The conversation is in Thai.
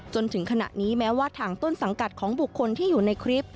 จนถึงขณะนี้แม้ว่าทางต้นสังกัดของบุคคลที่อยู่ในคลิป